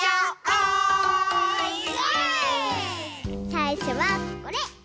さいしょはこれ。